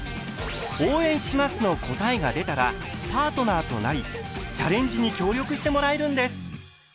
「応援します」の答えが出たらパートナーとなりチャレンジに協力してもらえるんです。